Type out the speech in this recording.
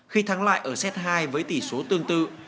khi thắng lại ở set hai với tỷ số tương tự